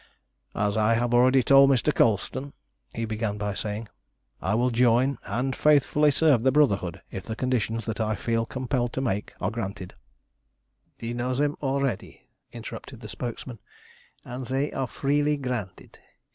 "As I have already told Mr. Colston," he began by saying, "I will join and faithfully serve the Brotherhood if the conditions that I feel compelled to make are granted" "We know them already," interrupted the spokesman, "and they are freely granted.